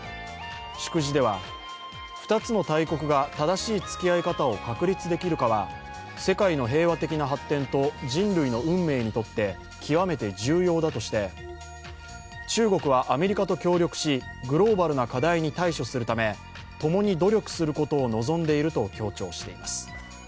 祝辞では２つの大国が正しいつきあい方を確立できるかは世界の平和的な発展と人類の運命にとって極めて重要だとし中国はアメリカと協力し、グローバルな課題に対処するため、共に努力することを望んでいると強調しています。